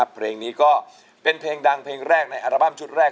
เพลงนี้ก็เป็นเพลงดังเพลงแรกในอัลบั้มชุดแรก